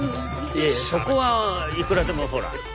いやいやそこはいくらでもほら。